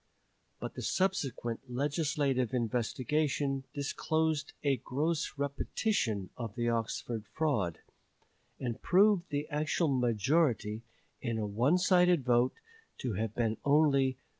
But the subsequent legislative investigation disclosed a gross repetition of the Oxford fraud, and proved the actual majority, in a onesided vote, to have been only 3423.